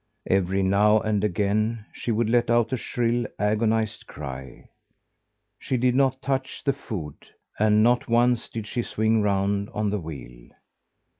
Every now and again, she would let out a shrill, agonised cry. She did not touch the food; and not once did she swing round on the wheel.